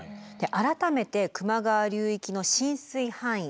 改めて球磨川流域の浸水範囲。